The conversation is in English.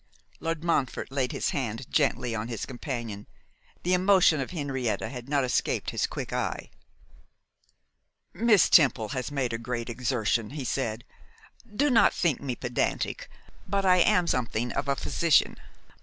Lord Montfort laid his hand gently on his companion. The emotion of Henrietta had not escaped his quick eye. 'Miss Temple has made a great exertion,' he said. 'Do not think me pedantic, but I am something of a physician.